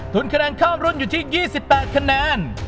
คะแนนข้ามรุ่นอยู่ที่๒๘คะแนน